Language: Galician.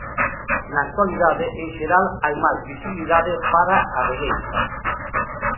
Na actualidade en xeral hai máis visibilidade para a regueifa.